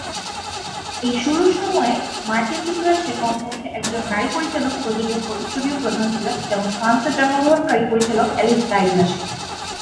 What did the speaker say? এই শুরুর সময়ে মার্কিন যুক্তরাষ্ট্রে কমপক্ষে একজন নারী পরিচালক, প্রযোজক ও স্টুডিও প্রধান ছিলেন, যেমন ফ্রান্সে জন্মগ্রহণকারী পরিচালক অ্যালিস গাই-ব্লাশে।